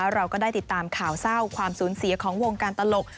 เราก็ได้ติดตามข่าวเศร้าความสูญเสียของวงการตลก